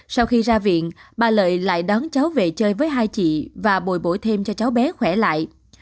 sau khi ra viện bà lợi lại đón cháu về chơi với hai chị và bồi bổ thêm cho cháu bé khỏe lại